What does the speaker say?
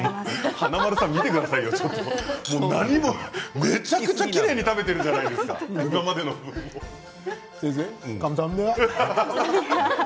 華丸さん、見てくださいよ、めちゃくちゃきれいに食べているじゃないですかカムサハムニダ。